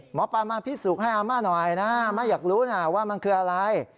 หมอปลามาพิสูจน์ให้อาม่าหน่อยนะม่าอยากรู้นะว่ามันคืออะไร